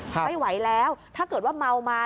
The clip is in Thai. ไม่ไหวแล้วถ้าเกิดว่าเมามา